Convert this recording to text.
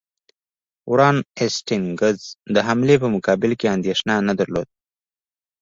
وارن هیسټینګز د حملې په مقابل کې اندېښنه نه درلوده.